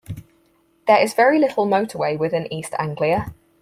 There is very little motorway within East Anglia.